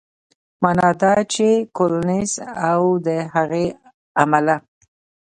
معنا دا چې کولینز او د هغې عمله